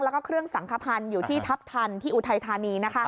แล้วก็เครื่องสังขพันธ์อยู่ที่ทัพทันที่อุทัยธานี